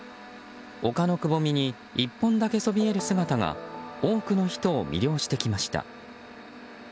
丘のくぼみに１本だけそびえる姿が多くの人を魅了してきました。